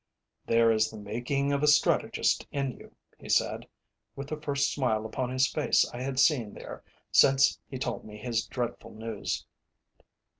"There is the making of a strategist in you," he said, with the first smile upon his face I had seen there since he told me his dreadful news.